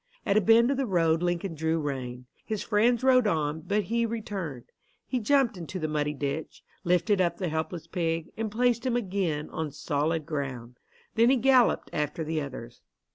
At a bend of the road Lincoln drew rein. His friends rode on, but he returned. He jumped into the muddy ditch, lifted up the helpless pig, and placed him again on solid ground. Then he galloped after the others.